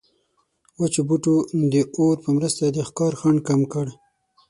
وچو بوټو د اور په مرسته د ښکار خنډ کم کړ.